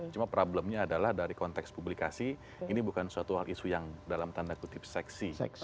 cuma problemnya adalah dari konteks publikasi ini bukan suatu hal isu yang dalam tanda kutip seksi